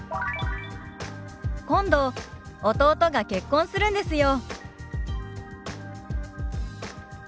「今度弟が結婚するんですよ」。